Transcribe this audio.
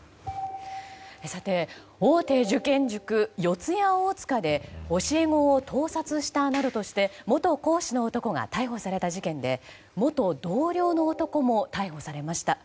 さて、大手受験塾四谷大塚で教え子を盗撮したなどとして元講師の男が逮捕された事件で元同僚の男も逮捕されました。